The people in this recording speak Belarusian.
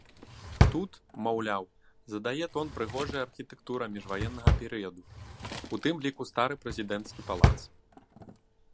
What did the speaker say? Тут, маўляў, задае тон прыгожая архітэктура міжваеннага перыяду, у тым ліку стары прэзідэнцкі палац.